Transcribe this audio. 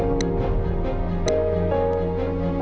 masa apakah anak ini udah mati